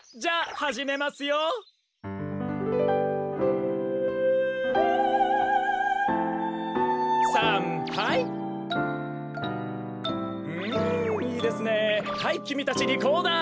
はいきみたちリコーダー。